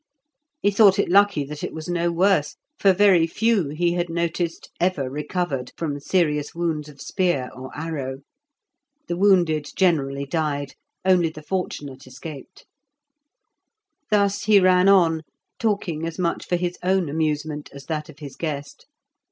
He thought it lucky that it was no worse, for very few, he had noticed, ever recovered from serious wounds of spear or arrow. The wounded generally died; only the fortunate escaped. Thus he ran on, talking as much for his own amusement as that of his guest.